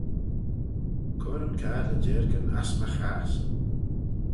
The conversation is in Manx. Cur yn cadley-jiargan ass my chass.